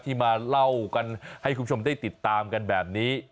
ที่มาเล่ากันให้คุณผู้ชมได้ติดตามกันแบบนี้